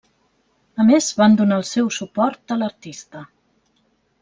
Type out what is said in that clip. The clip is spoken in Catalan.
A més, van donar el seu suport a l'artista.